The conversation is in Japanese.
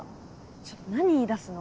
ちょっとなに言いだすの？